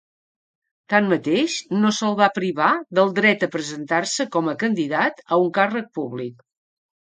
Tanmateix, no se'l va privar del dret a presentar-se com a candidat a un càrrec públic.